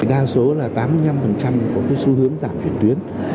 đa số là tám mươi năm có xu hướng giảm chuyển tuyến